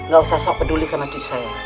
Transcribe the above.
gak usah saya peduli sama cucu saya